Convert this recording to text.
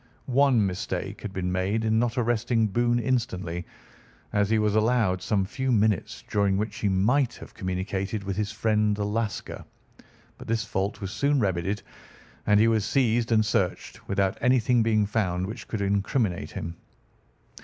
One mistake had been made in not arresting Boone instantly, as he was allowed some few minutes during which he might have communicated with his friend the Lascar, but this fault was soon remedied, and he was seized and searched, without anything being found which could incriminate him.